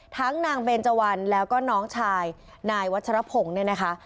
นางเบนเจวันแล้วก็น้องชายนายวัชรพงศ์เนี่ยนะคะ